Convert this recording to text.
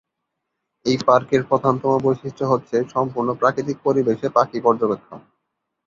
এই পার্কের প্রধানতম বৈশিষ্ট্য হচ্ছে সম্পূর্ণ প্রাকৃতিক পরিবেশে পাখি পর্যবেক্ষণ।